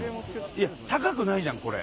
いや高くないじゃんこれ。